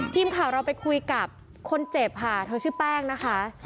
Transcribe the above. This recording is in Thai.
ทีมข่าวเราไปคุยกับคนเจ็บค่ะเธอชื่อแป้งนะคะ